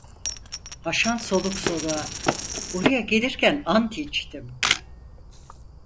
Haşan soluk soluğa: 'Buraya gelirken ant içtim.'